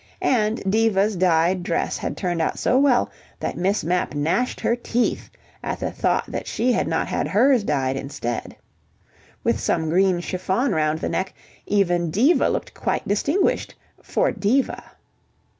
... And Diva's dyed dress had turned out so well that Miss Mapp gnashed her teeth at the thought that she had not had hers dyed instead. With some green chiffon round the neck, even Diva looked quite distinguished for Diva.